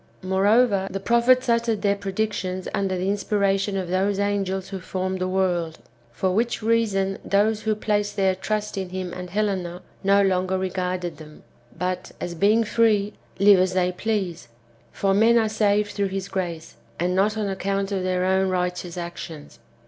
Moreover, the prophets uttered their predictions under the inspiration of those angels who formed the world ; for which reason those who place their trust in him and Helena no longer regarded them, but, as being free, live as they please; for men are saved through his grace, and not on account of their own righteous actions.